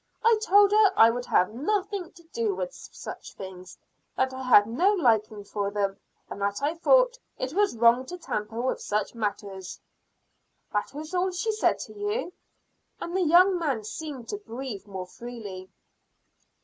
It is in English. "I told her I would have nothing to do with such things; that I had no liking for them, and that I thought it was wrong to tamper with such matters." "That was all she said to you?" and the young man seemed to breathe more freely.